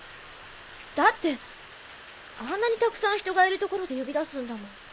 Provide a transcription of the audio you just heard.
だってあんなにたくさん人がいる所で呼び出すんだもん。